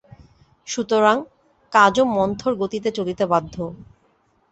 সুতরাং কাজও মন্থরগতিতে চলিতে বাধ্য।